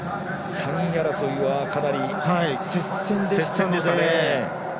３位争いはかなり接戦でしたね。